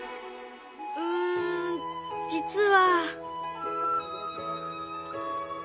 うん実は。